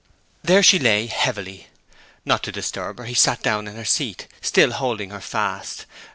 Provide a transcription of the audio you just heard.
There she lay heavily. Not to disturb her he sat down in her seat, still holding her fast.